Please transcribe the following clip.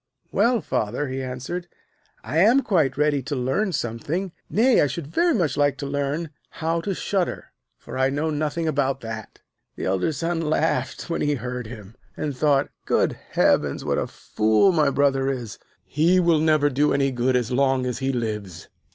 'Well, Father,' he answered, 'I am quite ready to learn something; nay, I should very much like to learn how to shudder, for I know nothing about that.' The elder son laughed when he heard him, and thought: 'Good heavens! what a fool my brother is; he will never do any good as long as he lives.'